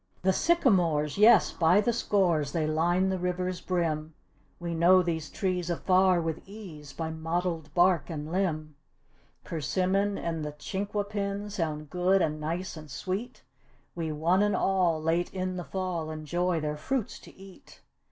The sycamores yes by the scores they line the river's brim. We know these trees afar, with ease, by mottled bark and limb. Persimmon and the chinquapin sound good and nice and sweet; We one and all late in the fall enjoy their fruits to eat.